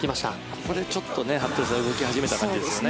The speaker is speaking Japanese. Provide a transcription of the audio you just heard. ここでちょっと服部さん動き始めた感じですよね。